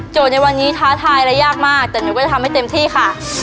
ในวันนี้ท้าทายและยากมากแต่หนูก็จะทำให้เต็มที่ค่ะ